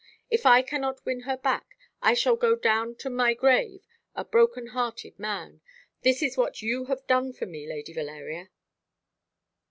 If I cannot win her back, I shall go down to my grave a broken hearted man. This is what you have done for me, Lady Valeria."